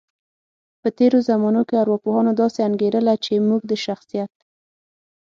په تیرو زمانو کې ارواپوهانو داسې انګیرله، چی موږ د شخصیت